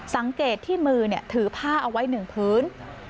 สังเกตที่มือถือผ้าเอาไว้๑พื้น